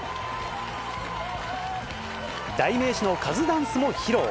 代名詞のカズダンスも披露。